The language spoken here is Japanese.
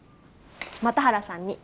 又原さんに。